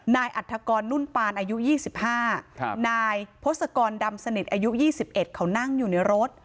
อัฐกรนุ่นปานอายุ๒๕นายพศกรดำสนิทอายุ๒๑เขานั่งอยู่ในรถ